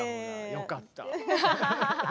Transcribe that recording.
よかった。